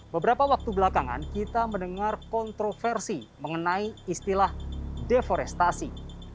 beberapa waktu belakangan kita mendengar kontroversi mengenai istilah deforestasi